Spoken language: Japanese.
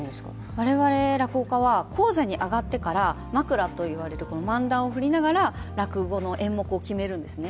我々落語家は高座に上がってから枕といわれる漫談を振りながら落語の演目を決めるんですね